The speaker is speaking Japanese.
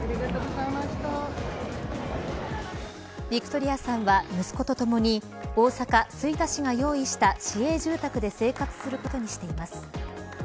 ビクトリアさんは息子とともに大阪、吹田市が用意した市営住宅で生活することにしています。